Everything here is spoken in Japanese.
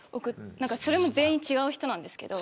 それも全員違う人なんですけど。